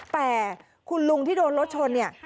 แต่คุณลุงที่โดนรถชนเนี่ย